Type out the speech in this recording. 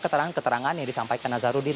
keterangan keterangan yang disampaikan nazarudin